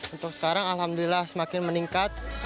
untuk sekarang alhamdulillah semakin meningkat